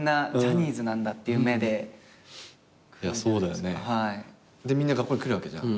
でみんな学校に来るわけじゃん。